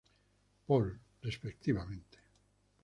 Paul, respectivamente.